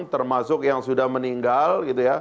termasuk yang sudah meninggal